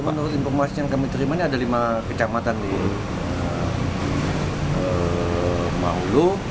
menurut informasi yang kami terima ada lima kecamatan di mahakam ulu